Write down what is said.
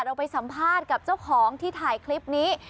เราไปสัมภาษณ์กับเจ้าของที่ถ่ายคลิปนี้